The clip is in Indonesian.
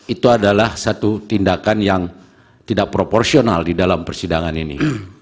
itu adalah satu tindakan yang tidak proporsional di dalam persidangan ini